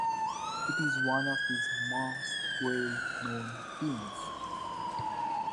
It is one of his most well-known tunes.